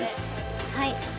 はい。